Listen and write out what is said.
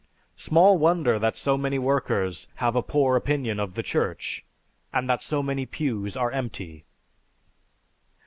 Small wonder that many workers have a poor opinion of the Church, and that so many pews are empty."